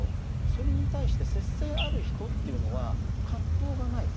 それに対して節制ある人というのは葛藤がない。